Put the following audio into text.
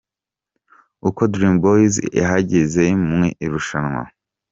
Uko Dream Boyz ihagaze mu irushanwa.